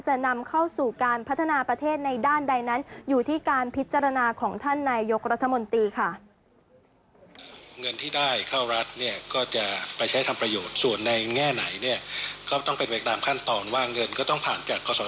จะนำเข้าสู่การพัฒนาประเทศในด้านใดนั้น